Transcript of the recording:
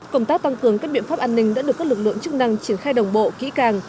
công tác tăng cường các biện pháp an ninh đã được các lực lượng chức năng triển khai đồng bộ kỹ càng